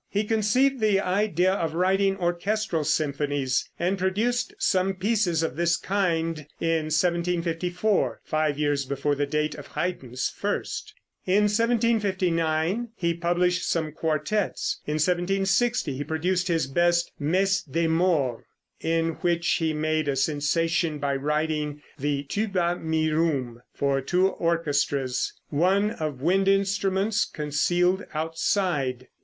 He conceived the idea of writing orchestral symphonies, and produced some pieces of this kind in 1754, five years before the date of Haydn's first. In 1759 he published some quartettes. In 1760 he produced his best, "Messe des Morts," in which he made a sensation by writing the "Tuba Mirum" for two orchestras, one of wind instruments concealed outside.